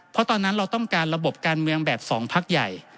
เพราะตอนนั้นเราต้องการระบบการเมืองแบบ๒พักใหญ่